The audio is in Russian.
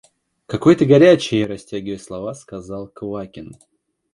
Какой ты горячий! – растягивая слова, сказал Квакин.